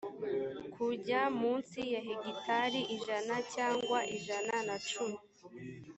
kujya munsi ya hegitari ijana cyangwa ijana nacumi